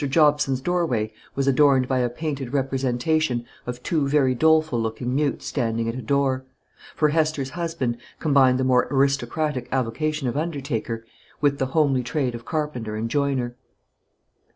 Jobson's doorway was adorned by a painted representation of two very doleful looking mutes standing at a door; for Hester's husband combined the more aristocratic avocation of undertaker with the homely trade of carpenter and joiner.